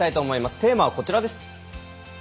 テーマはこちらです。